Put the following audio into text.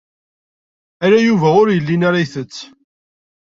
Ala Yuba ur yellin ara yettett.